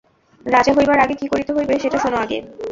রাজা হইবার আগে কী করিতে হইবে সেটা শোনো আগে।